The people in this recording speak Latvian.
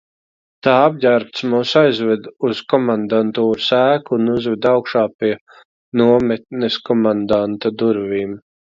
Tā apģērbtus mūs aizveda uz komandantūras ēku un uzveda augšā pie nometnes komandanta durvīm.